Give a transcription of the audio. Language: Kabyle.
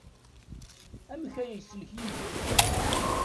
Amek ay yeslek Yidir?